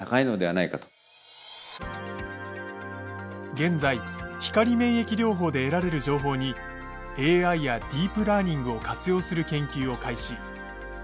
現在光免疫療法で得られる情報にＡＩやディープラーニングを活用する研究を開始。